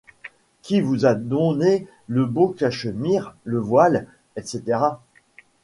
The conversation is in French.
Qui vous a donné le beau cachemire, le voile, etc.